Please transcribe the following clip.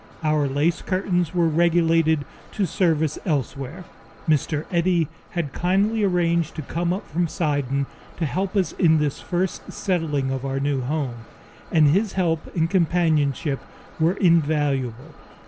Our lace curtains were relegated to service elsewhere. Mr. Eddy had kindly arranged to come up from Sidon to help us in this first settling of our new home, and his help and companionship were invaluable.